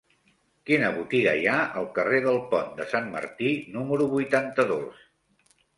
Quina botiga hi ha al carrer del Pont de Sant Martí número vuitanta-dos?